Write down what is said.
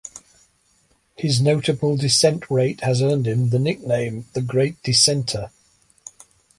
His notable dissent rate has earned him the nickname the "Great Dissenter".